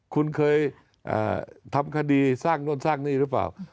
คุณเคยทำคดีสร้างโน่นสร้างนี่หรือเปล่า